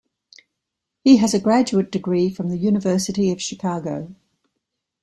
He has a graduate degree from the University of Chicago.